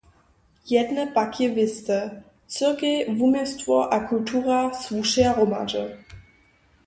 Jedne pak je wěste: Cyrkej, wuměłstwo a kultura słušeja hromadźe.